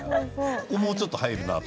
ここにもうちょっと入るなって。